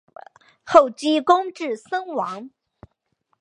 后积功至森王。